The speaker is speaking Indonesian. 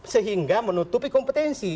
sehingga menutupi kompetensi